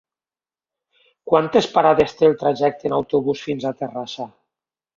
Quantes parades té el trajecte en autobús fins a Terrassa?